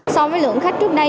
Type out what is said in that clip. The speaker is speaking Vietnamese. so với lượng khách trước đây